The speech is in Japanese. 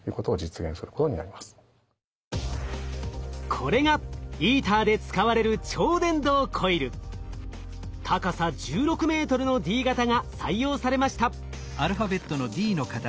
これがＩＴＥＲで使われる高さ１６ｍのＤ型が採用されました。